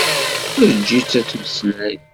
Eǧǧ-itt ad tmeslay!